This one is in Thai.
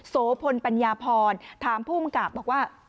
สองสามีภรรยาคู่นี้มีอาชีพ